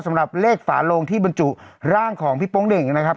สำหรับเลขฝาโลงที่บรรจุร่างของพี่โป๊งเหน่งนะครับ